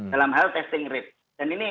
dalam hal testing rate dan ini